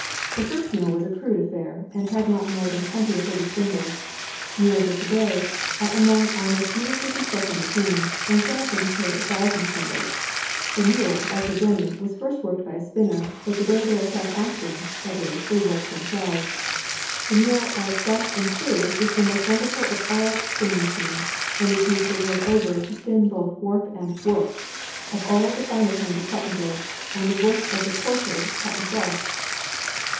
The first mule was a crude affair, and had not more than twenty or thirty spindles. Mules of to day are among our most beautifully constructed machines, and some of them carry a thousand spindles. The mule, like the jenny, was first worked by a spinner, but to day they are self acting, that is, they work themselves. The mule as thus im proved is the most wonderful of all spinning machines, and is used the world over, to spin both the warp and the woof of all the finer kinds of cotton goods, and the woof of the coarser cotton cloth.